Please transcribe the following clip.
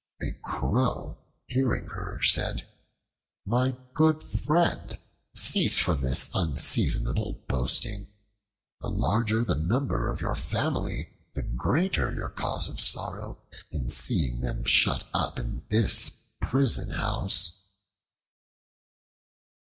A Crow hearing her, said: "My good friend, cease from this unseasonable boasting. The larger the number of your family, the greater your cause of sorrow, in seeing them shut up in this prison house."